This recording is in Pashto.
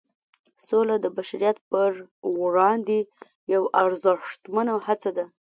سوله د بشریت پر وړاندې یوه ارزښتمنه هڅه ده.